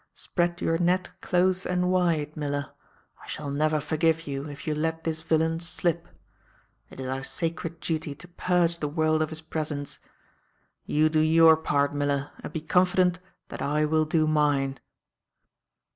Spread your net close and wide, Miller. I shall never forgive you if you let this villain slip. It is our sacred duty to purge the world of his presence. You do your part, Miller, and be confident that I will do mine."